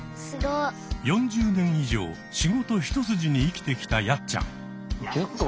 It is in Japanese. ４０年以上仕事一筋に生きてきたやっちゃん。